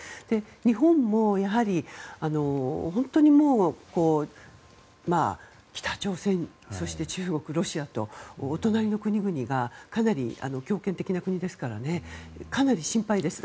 日本も本当に北朝鮮、そして中国、ロシアとお隣の国々がかなり強権的な国ですからかなり心配です。